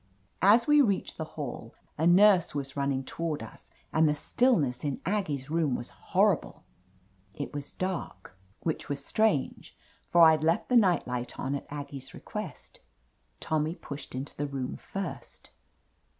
As we reached the hall, a nurse was running toward us, and the stillness in Aggie's room was horrible. It was dark. Which was strange, for Fd left the night light on at Aggie's request. Tommy pushed into the room first.